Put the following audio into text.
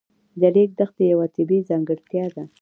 د ریګ دښتې یوه طبیعي ځانګړتیا ده.